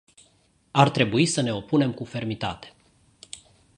Ar trebui să ne opunem cu fermitate.